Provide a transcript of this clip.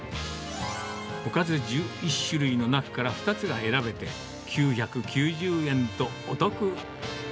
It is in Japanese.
おかず１１種類の中から２つが選べて、９９０円とお得。